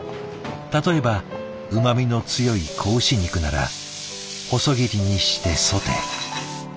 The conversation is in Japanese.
例えばうまみの強い仔牛肉なら細切りにしてソテー。